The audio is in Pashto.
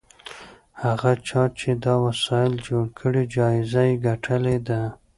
هغه چا چې دا وسایل جوړ کړي جایزه یې ګټلې ده.